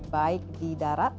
baik di darat